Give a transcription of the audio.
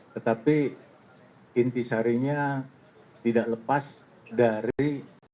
tetapi intisarinya tidak lepas dari